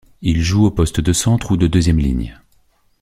Il joue au poste de centre ou de deuxième ligne.